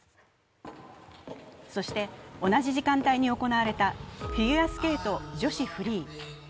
そして、同じ時間帯に行われたフィギュアスケート女子フリー。